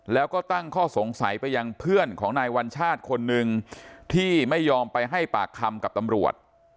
แล้วก็ตั้งข้อสงสัยไปยังเพื่อนของนายวัญชาติคนนึงที่ไม่ยอมไปให้ปากคำกับตำรวจ